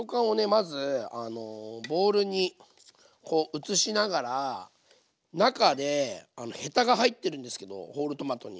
まずボウルにこう移しながら中でヘタが入ってるんですけどホールトマトに。